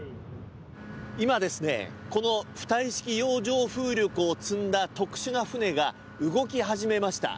今この浮体式洋上風力を積んだ特殊な船が動き始めました。